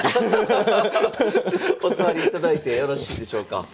お座りいただいてよろしいでしょうか。